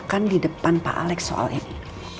saya akan berbicara di depan pak alex soal ini